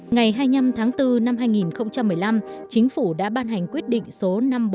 ngày hai mươi năm tháng bốn năm hai nghìn một mươi năm chính phủ đã ban hành quyết định số năm trăm bốn mươi bốn